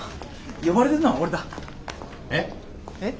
呼ばれてんのは俺だ。え？え？